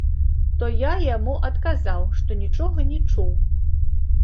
То я яму адказаў, што нічога не чуў.